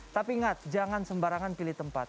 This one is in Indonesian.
tapi ingat jangan sembarangan pilih tempat